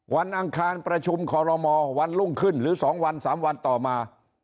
อังคารประชุมคอรมอวันรุ่งขึ้นหรือ๒วัน๓วันต่อมา